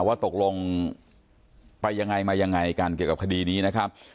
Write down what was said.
ว่าตกลงไปยังไงมายังไงกันเกี่ยวกับคดีนี้นะครับ